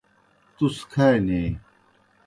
تُس کھانیئی۔